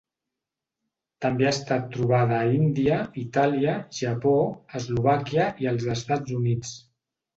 També ha estat trobada a Índia, Itàlia, Japó, Eslovàquia i els Estats Units.